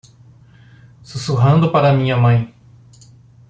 Sussurrando para minha mãe